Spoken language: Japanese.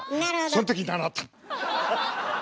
そん時習った！